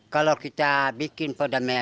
kalau kita bikin poda merah